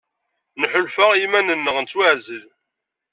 Nḥulfa i yiman-nneɣ nettwaɛzel.